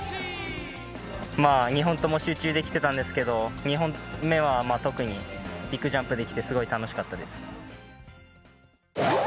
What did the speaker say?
２本とも集中できてたんですけど、２本目は特にビッグジャンプができて、すごい楽しかったです。